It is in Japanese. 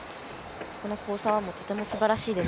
この交差は、もう、とてもすばらしいです。